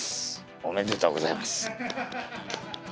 おめでとうございます。